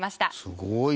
すごい。